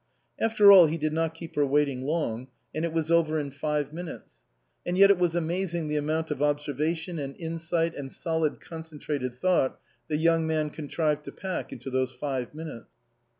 After all he did not keep her waiting long, and it was over in five minutes. And yet it was amazing the amount of observation, and insight, and solid concentrated thought the young man contrived to pack into those five minutes.